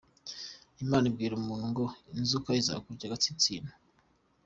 Imana ibwira umuntu ngo inzoka izakurya agatsinsino.